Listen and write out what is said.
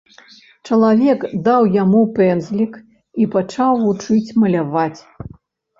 Чалавек даў яму пэндзлік і пачаў вучыць маляваць.